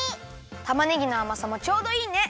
たまねぎのあまさもちょうどいいね！